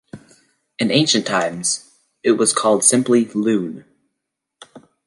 In ancient times it was called simply "Loon".